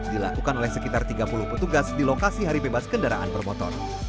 dilakukan oleh sekitar tiga puluh petugas di lokasi hari bebas kendaraan bermotor